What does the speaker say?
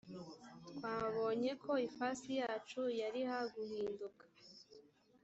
twabonye ko ifasi yacu yari ha guhinduka